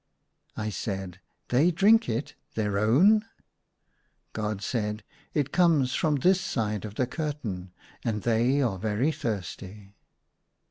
I said, " They drink it — their own !" God said, "It comes from this side of the curtain, and they are very thirsty."